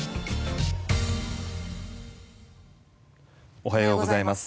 おはようございます。